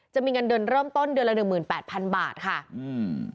จะมีเงินเดือนเริ่มต้นเดือนละ๑๘๐๐๐บาทค่ะอืม